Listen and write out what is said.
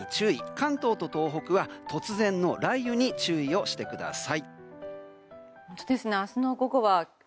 関東と東北は突然の雷雨に注意をしてください。